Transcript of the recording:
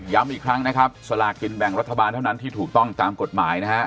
อีกครั้งนะครับสลากินแบ่งรัฐบาลเท่านั้นที่ถูกต้องตามกฎหมายนะฮะ